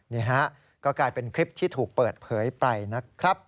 นี่ฮะก็กลายเป็นคลิปที่ถูกเปิดเผยไปนะครับ